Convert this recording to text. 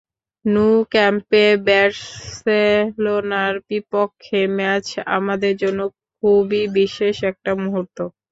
Nou ক্যাম্পে বার্সেলোনার বিপক্ষে ম্যাচ আমাদের জন্য খুবই বিশেষ একটা মুহূর্ত।